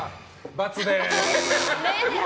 ×です。